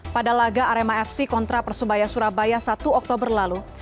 pada laga arema fc kontra persebaya surabaya satu oktober lalu